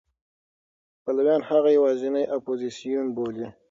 پلویان هغه یوازینی اپوزېسیون بولي.